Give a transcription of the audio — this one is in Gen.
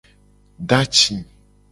Do aci.